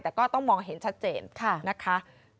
แต่ก็ต้องมองเห็นชัดเจนนะคะ